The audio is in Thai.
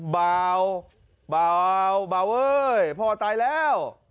เบาเบาเบาเว้ยพ่อตายแล้ว